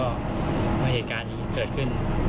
ว่าเหตุการณ์นี้เกิดขึ้น